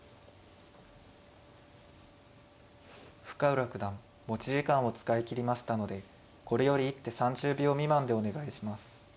深浦九段持ち時間を使い切りましたのでこれより一手３０秒未満でお願いします。